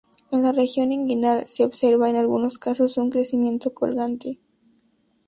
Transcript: En la región inguinal se observa, en algunos casos, un crecimiento colgante.